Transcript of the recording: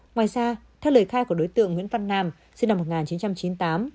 ngoài ra theo lời khai của đối tượng nguyễn văn nam sinh năm một nghìn chín trăm chín mươi tám